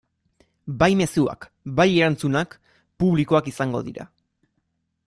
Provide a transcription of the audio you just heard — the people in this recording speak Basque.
Bai mezuak bai erantzunak publikoak izango dira.